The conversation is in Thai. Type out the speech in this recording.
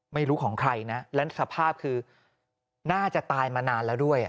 ไม่รู้ของใครนะและสภาพคือน่าจะตายมานานแล้วด้วย